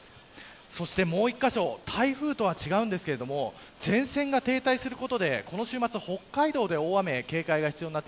そしてもう１カ所台風とは違いますが前線が停滞することでこの週末北海道でも大雨に警戒が必要です。